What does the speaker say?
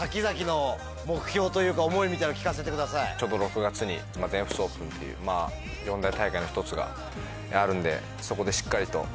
ちょうど６月に。っていう４大大会の１つがあるんでそこでしっかりと。